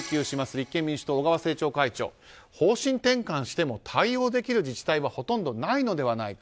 立憲民主党、小川政調会長方針転換しても対応できる自治体はほとんどないのではないか。